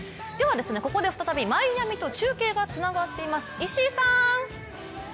ここで再びマイアミと中継がつながっています。